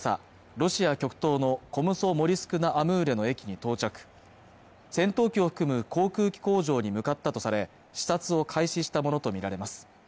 ロシア極東のコムソモリスク・ナ・アムーレの駅に到着戦闘機を含む航空機工場に向かったとされ視察を開始したものと見られます